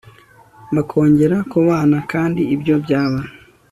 bakongera kubana, kandi ibyo byaba